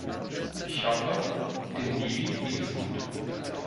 Ich hoffe, dem Baby geht es gut!